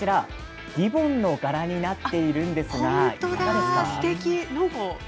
リボンの柄になっているんです。